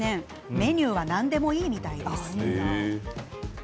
メニューは何でもいいみたいです。